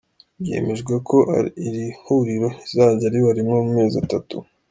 Byemejwe ko iri huriro rizajya riba rimwe mu mezi atatu.